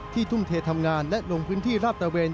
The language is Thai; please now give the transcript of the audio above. ทุ่มเททำงานและลงพื้นที่ราบตะเวน